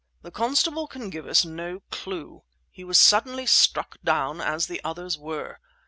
"The constable can give us no clue. He was suddenly struck down, as the others were.